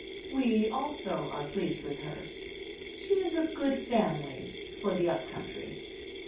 "We, also, are pleased with her. She is of good family for the up country."